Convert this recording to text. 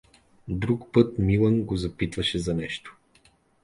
Друг път Милан го запитваше за нещо.